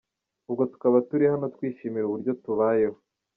Ubwo tukaba turi hano twishimira uburyo tubayeho.